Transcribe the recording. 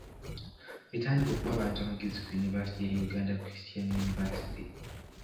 Yatandika okuwa abantu amagezi ku yunivasite ya Uganda Christian University.